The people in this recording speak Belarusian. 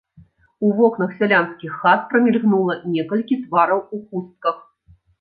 У вокнах сялянскіх хат прамільгнула некалькі твараў у хустках.